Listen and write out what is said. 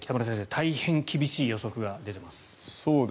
大変厳しい予測が出ています。